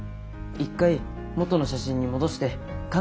一回元の写真に戻して考えてみよう。